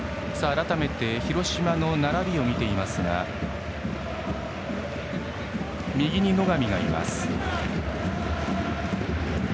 改めて広島の並びを見てみますと右に野上がいます。